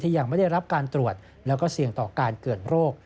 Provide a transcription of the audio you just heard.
ยังไม่ได้รับการตรวจแล้วก็เสี่ยงต่อการเกิดโรค